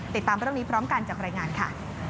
ติดตามเรื่องนี้พร้อมกันจากรายงานค่ะ